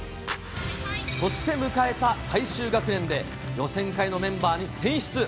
そして迎えた最終学年で、予選会のメンバーに選出。